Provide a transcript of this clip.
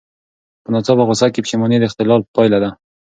په ناڅاپه غوسه کې پښېماني د اختلال پایله ده.